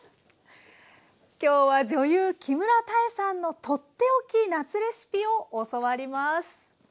今日は女優木村多江さんのとっておき夏レシピを教わります。